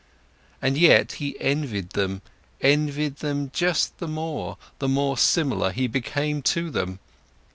And yet, he envied them, envied them just the more, the more similar he became to them.